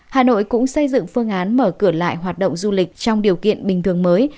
hà nội cũng xây dựng phương án mở cửa lại hoạt động du lịch trong điều kiện bình thường mới